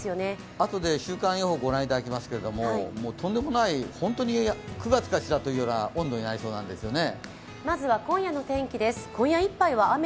あとで週間予報ご覧いただきますけどとんでもない、本当に９月かしらという温度になりそうなんですよね。